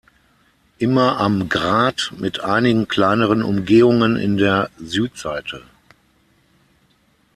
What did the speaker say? Immer am Grat mit einigen kleineren Umgehungen in der Südseite.